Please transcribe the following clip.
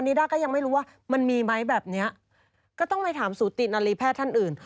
ด้าก็ยังไม่รู้ว่ามันมีไหมแบบเนี้ยก็ต้องไปถามสูตินารีแพทย์ท่านอื่น